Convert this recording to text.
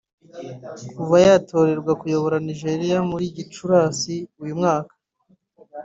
Kuva yatorerwa kuyobora Nigeria muri Gicurasi uyu mwaka